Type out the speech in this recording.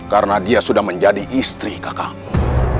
karena dia sudah menjadi istri kakakmu